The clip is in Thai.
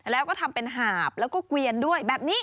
แล้วก็ทำเป็นหาบแล้วก็เกวียนด้วยแบบนี้